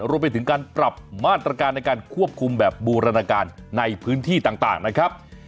รวมไปถึงการปรับมาตรการในการควบคุมแบบบูรณาการในพื้นที่ต่างนะครับ